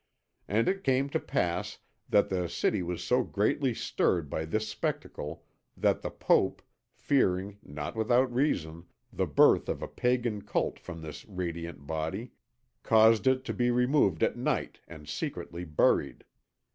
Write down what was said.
"And it came to pass that the City was so greatly stirred by this spectacle that the Pope, fearing, not without reason, the birth of a pagan cult from this radiant body, caused it to be removed at night and secretly buried.